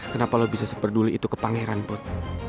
kenapa lo bisa seperduli itu ke pangeran bud